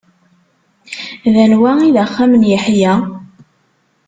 D anwa i d axxam n Yeḥya?